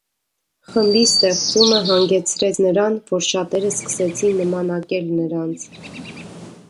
Խմբի ստեղծումը հանգեցրեց նրան, որ շատերը սկսեցին նմանակել նրանց։